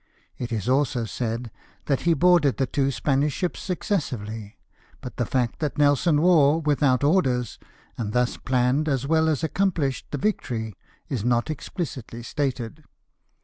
It is also said that he boarded the two Spanish ships successively ; but the fact that Nelson wore without orders, and thus planned as well as accomplished the victory, is not explicitly stated.